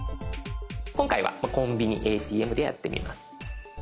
今回は「コンビニ／ＡＴＭ」でやってみます。